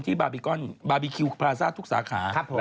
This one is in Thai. ที่บาร์บีคิวพลาซ่าทุกสาขา